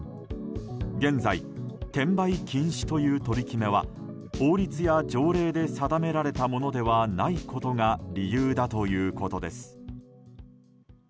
現在、転売禁止という取り決めは法律や条例で定められたものではないことが理由だということです。